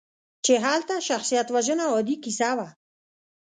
چې هلته شخصیتوژنه عادي کیسه وه.